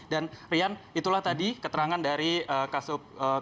dan rian itulah tadi keterangan dari s from our videos